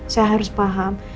saya harus paham